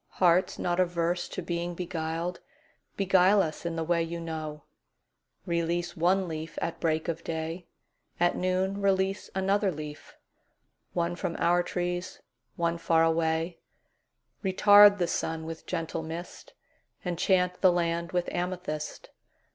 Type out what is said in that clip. Hearts not averse to being beguiled, Beguile us in the way you know; Release one leaf at break of day; At noon release another leaf; One from our trees, one far away; Retard the sun with gentle mist; Enchant the land with amethyst.